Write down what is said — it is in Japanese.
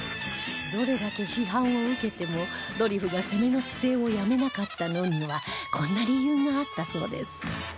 どれだけ批判を受けてもドリフが攻めの姿勢をやめなかったのにはこんな理由があったそうです